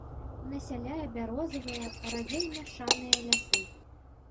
Насяляе бярозавыя, радзей мяшаныя лясы.